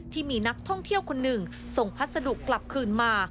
ที่มีนักท่องเที่ยวคนหนึ่งส่งพัสดุกลับคืนมา